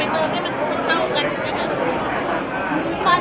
กว้างที่เปิดที่เปิดที่เป็นพรหม่อเผ็ด